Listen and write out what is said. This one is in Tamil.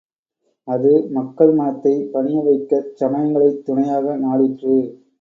அது மக்கள் மனத்தைப் பணியவைக்கச் சமயங்களைத் துணையாக நாடிற்று.